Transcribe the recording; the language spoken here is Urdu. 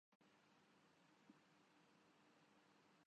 ایف بی رکا این جی اوز اور نان پرافٹ اداروں کیخلاف سخت ایکشن